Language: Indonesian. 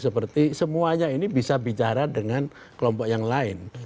seperti semuanya ini bisa bicara dengan kelompok yang lain